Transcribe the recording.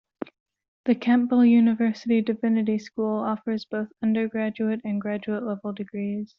The Campbell University Divinity school offers both undergraduate and graduate level degrees.